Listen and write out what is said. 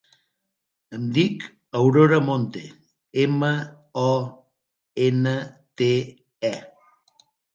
Em dic Aurora Monte: ema, o, ena, te, e.